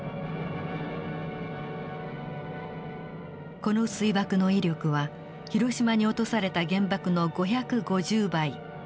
この水爆の威力は広島に落とされた原爆の５５０倍。